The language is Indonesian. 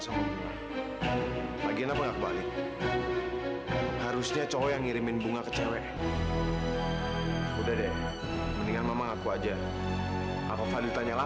sampai jumpa di video selanjutnya